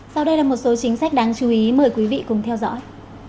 sau đây là một số chính sách đáng chú ý mời quý vị cùng theo dõi